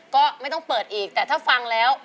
ก็ไม่ต้องเปิดอีกแต่ถ้าฟังแล้ว